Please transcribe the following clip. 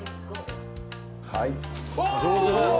はい。